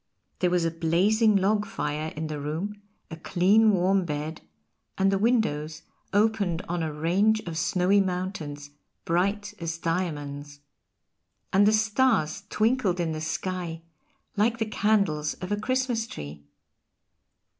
There was a blazing log fire in the room, a clean warm bed, and the windows opened on a range of snowy mountains, bright as diamonds. And the stars twinkled in the sky like the candles of a Christmas tree.